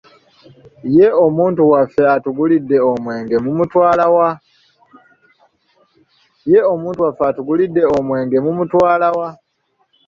Ye omuntu waffe atugulidde omwenge mumutwala wa?